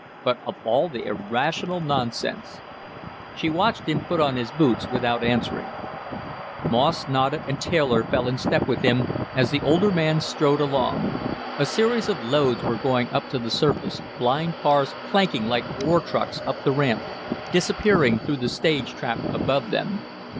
But of all the irrational nonsense " She watched him put on his boots without answering. Moss nodded and Taylor fell in step with him, as the older man strode along. A series of loads were going up to the surface, blind cars clanking like ore trucks up the ramp, disappearing through the stage trap above them.